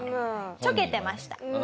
ちょけてました。